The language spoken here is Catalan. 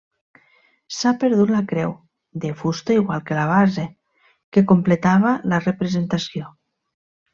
S'ha perdut la creu, de fusta igual que la base, que completava la representació.